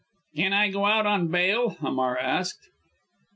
"Can I go out on bail?" Hamar asked.